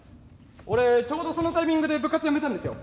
俺ちょうどそのタイミングで部活やめたんですよ。